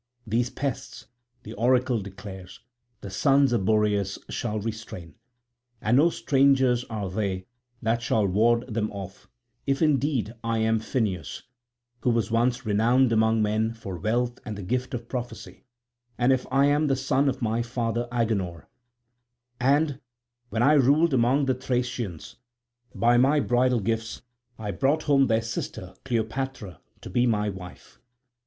These pests, the oracle declares, the sons of Boreas shall restrain. And no strangers are they that shall ward them off if indeed I am Phineus who was once renowned among men for wealth and the gift of prophecy, and if I am the son of my father Agenor; and, when I ruled among the Thracians, by my bridal gifts I brought home their sister Cleopatra to be my wife."